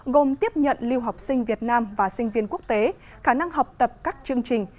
gồm tiếp nhận lưu học sinh việt nam và sinh viên quốc tế khả năng học tập các chương trình